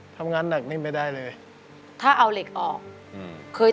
ทำงานหนักนิ่มไปได้เลย